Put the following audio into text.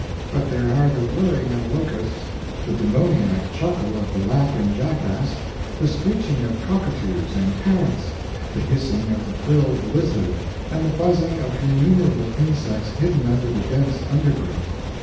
But there are the whirring of locusts, the demoniac chuckle of the laughing jack ass, the screeching of cockatoos and parrots, the hissing of the frilled lizard, and the buzzing of innumerable insects hidden under the dense undergrowth.